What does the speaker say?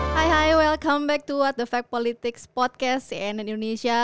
hai hai selamat datang kembali di what the fact politics podcast cnn indonesia